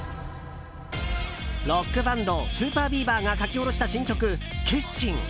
ロックバンドＳＵＰＥＲＢＥＡＶＥＲが書き下ろした新曲「決心」。